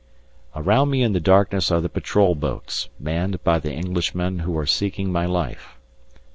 Around me in the darkness are the patrol boats, manned by the Englishmen who are seeking my life.